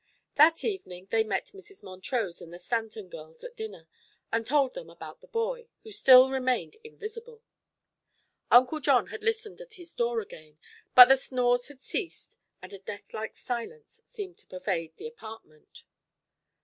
That evening they met Mrs. Montrose and the Stanton girls at dinner and told them about the boy, who still remained invisible. Uncle John had listened at his door again, but the snores had ceased and a deathlike silence seemed to pervade the apartment.